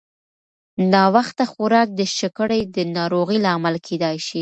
ناوخته خوراک د شکرې د ناروغۍ لامل کېدای شي.